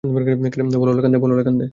বল, Lokhande.